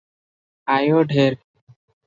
ଆୟ ଢେର ।